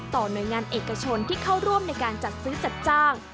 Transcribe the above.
หน่วยงานเอกชนที่เข้าร่วมในการจัดซื้อจัดจ้าง